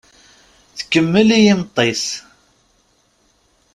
Tkemmel i yimeṭṭi-s.